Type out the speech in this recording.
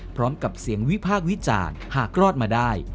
พร้อมกับเสียงวิพากษ์วิจารณ์หากรอดมาได้